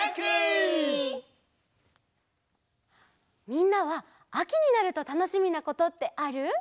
みんなはあきになるとたのしみなことってある？